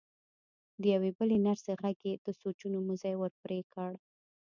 د يوې بلې نرسې غږ يې د سوچونو مزی ور پرې کړ.